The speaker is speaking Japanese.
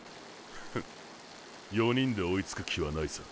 フ４人で追いつく気はないさ。